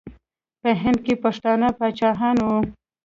په هند کې پښتانه پاچاهان وو.